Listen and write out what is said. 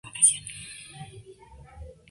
En el año contaba con habitantes censados.